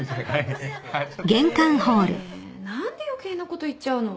ねえ何で余計なこと言っちゃうの？